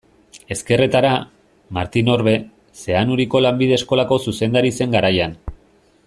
Ezkerretara, Martin Orbe, Zeanuriko lanbide eskolako zuzendari zen garaian.